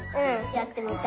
やってみたい。